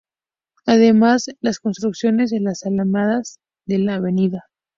Además, las construcciones de las alamedas de la Av.